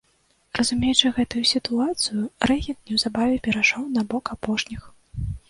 Разумеючы гэтую сітуацыю, рэгент неўзабаве перайшоў на бок апошніх.